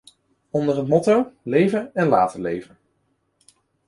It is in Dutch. Onder het motto: leven en laten leven...